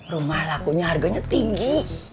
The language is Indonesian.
rumah lakunya harganya tinggi